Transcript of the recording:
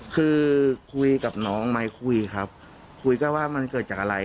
คือคุยกับน้องไหมคุยครับคุยก็ว่ามันเกิดจากอะไร